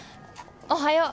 おはよう。